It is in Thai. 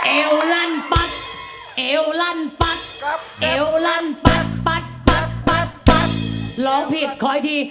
เอวลั่นแก๊บเอวลั่นก๊อบก๊อบก๊อบก๊อบก๊อบก๊อบ